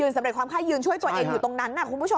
สำเร็จความค่ายยืนช่วยตัวเองอยู่ตรงนั้นครับ